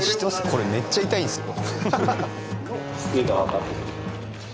これめっちゃ痛いんすよ。